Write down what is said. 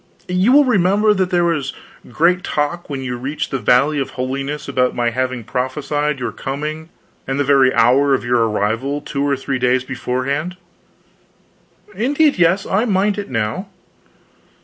You will remember that there was great talk, when you reached the Valley of Holiness, about my having prophesied your coming and the very hour of your arrival, two or three days beforehand." "Indeed, yes, I mind it now."